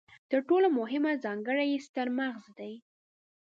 تر ټولو مهمه ځانګړنه یې ستر مغز دی.